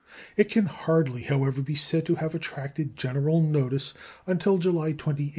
It can hardly, however, be said to have attracted general notice until July 28, 1851.